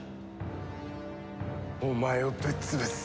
お前をぶっ潰す。